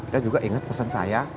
dan juga ingat pesan saya